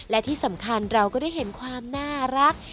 และที่สำคัญเราก็ได้เห็นความน่ารัก